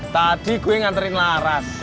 tadi gue nganterin laras